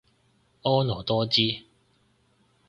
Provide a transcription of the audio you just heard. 婀娜多姿